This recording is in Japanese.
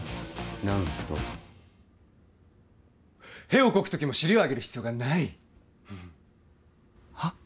何とヘをこく時も尻を上げる必要がないはっ？